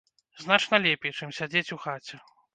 Значна лепей, чым сядзець у хаце.